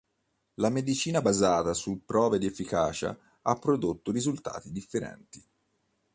La Medicina basata su prove di efficacia ha prodotto risultati differenti.